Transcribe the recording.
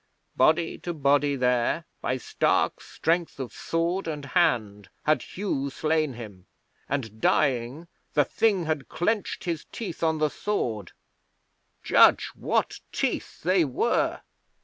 Body to body there, by stark strength of sword and hand, had Hugh slain him, and, dying, the Thing had clenched his teeth on the sword. Judge what teeth they were!'